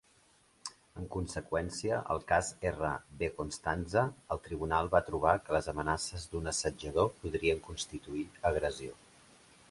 En conseqüència, al cas "R v Constanza", el tribunal va trobar que les amenaces d'un assetjador podrien constituir agressió.